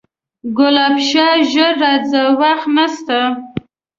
ګلاب شاه ژر راځه وخت نسته